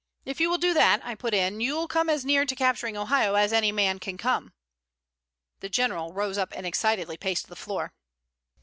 "If you will do that," I put in, "you'll come as near to capturing Ohio as any man can come." The General rose up and excitedly paced the floor.